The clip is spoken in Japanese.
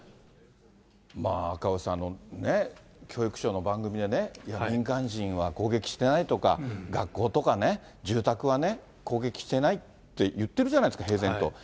まあ、赤星さん、教育省の番組で、民間人は攻撃してないとか、学校とかね、住宅はね、攻撃してないって言ってるじゃないですか、平然と。